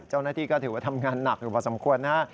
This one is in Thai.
เจ้าหน้าที่ก็ถือว่าทำงานหนักอยู่พอสมควรนะฮะ